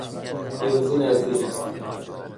پیروزی نزدیک است.